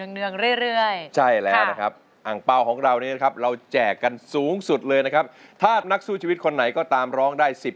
เนื่องเรื่อยใช่แล้วนะครับ